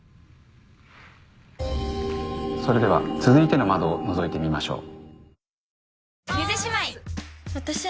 それでは続いての窓をのぞいてみましょう。